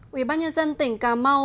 quý bác nhân dân tỉnh cà mau